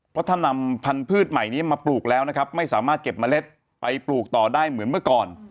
เพราะถ้านำพันธุ์ใหม่นี้มาปลูกแล้วนะครับไม่สามารถเก็บเมล็ดไปปลูกต่อได้เหมือนเมื่อก่อน